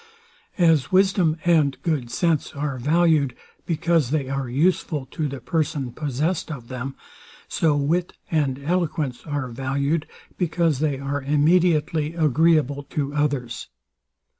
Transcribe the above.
As wisdom and good sense are valued, because they are useful to the person possessed of them; so wit and eloquence are valued, because they are immediately agreeable to others.